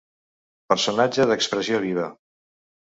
Personatge d'expressió viva.